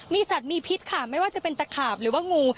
มีสัตว์มีพิษค่ะไม่ว่าจะเป็นตะขาบหรือว่างู